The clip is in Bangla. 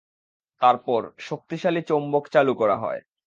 তারপর, শক্তিশালী চৌম্বক চালু করা হয়।